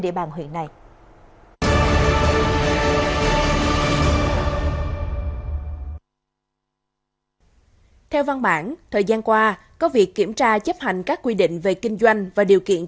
chỉ cung cấp thông tin thực sự cần thiết kiểm tra kỹ các điều khoản sử dụng